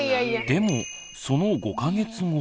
でもその５か月後。